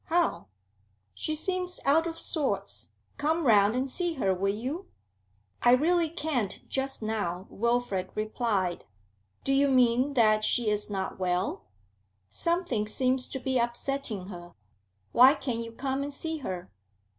How?' 'She seems out of sorts. Come round and see her, will you?' 'I really can't just now,' Wilfrid replied. 'Do you mean that she is not well?' 'Something seems to be upsetting her. Why can't you come and see her?'